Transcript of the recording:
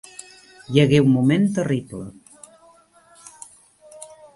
Hi hagué un moment terrible